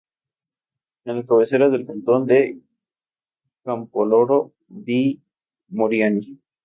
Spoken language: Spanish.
Es la cabecera del cantón de Campoloro-di-Moriani.